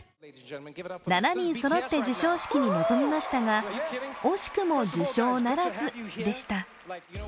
７人そろって授賞式に臨みましたが惜しくも受賞ならずでした。